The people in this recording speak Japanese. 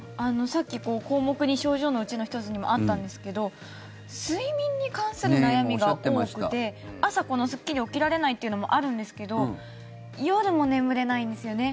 さっき項目に症状のうちの１つにもあったんですけど睡眠に関する悩みが多くて朝すっきり起きられないというのもあるんですけど夜も眠れないんですよね。